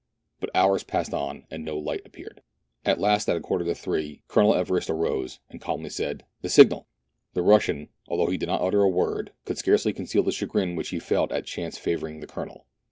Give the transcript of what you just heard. But hours passed on, and no light appeared. At last, at a quarter to three, Colonel Everest arose, and calmly said. " The signal !" The Russian, although he did not utter a word, could scarcely conceal the chagrin which he felt at chance favour ing the Colonel.